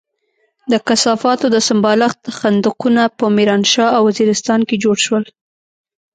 د کثافاتو د سمبالښت خندقونه په ميرانشاه او وزيرستان کې جوړ شول.